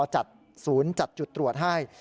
จัดศูนย์จัดจุดตรวจให้